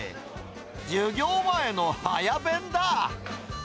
授業前の早弁だ。